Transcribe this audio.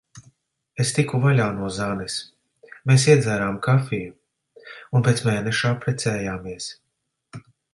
Es tiku vaļā no Zanes. Mēs iedzērām kafiju. Un pēc mēneša apprecējāmies.